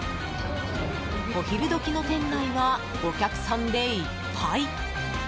お昼時の店内はお客さんでいっぱい。